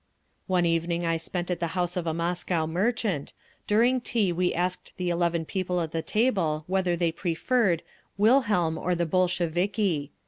… One evening I spent at the house of a Moscow merchant; during tea we asked the eleven people at the table whether they preferred "Wilhelm or the Bolsheviki."